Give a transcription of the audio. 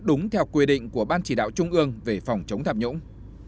đúng theo quy định của ban chỉ đạo trung ương về phòng chống tham nhũng